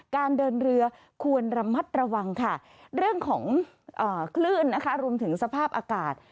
การเดินเรือควรระมัดระวังค่ะเรื่องของคลื่นนะคะรวมถึงสภาพอากาศ